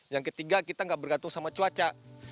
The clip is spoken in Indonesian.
yang ketiga kita gak bergantung sama cuaca